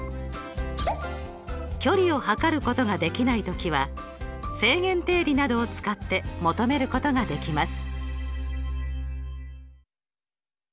距離を測ることができない時は正弦定理などを使って求めることができます。